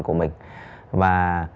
của mình và